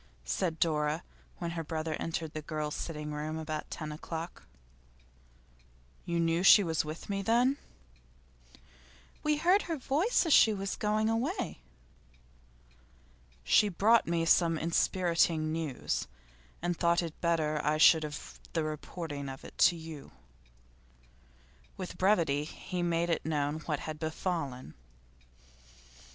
said Dora, when her brother entered the girls' sitting room about ten o'clock. 'You knew she was with me, then?' 'We heard her voice as she was going away.' 'She brought me some enspiriting news, and thought it better I should have the reporting of it to you.' With brevity he made known what had befallen.